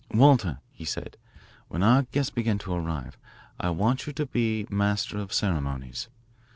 "Walter," he said, "when our guests begin to arrive I want you to be master of ceremonies.